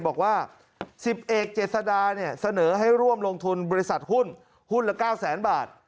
บอกว่า๑๐เอกเจษดาเนี่ยเสนอให้ร่วมลงทุนบริษัทหุ้นหุ้นละ๙แสนบาท